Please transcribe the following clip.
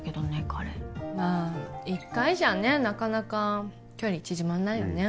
彼まあ一回じゃねなかなか距離縮まんないよね